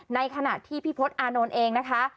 ในขณะที่พี่พศอานนท์เองนะคะ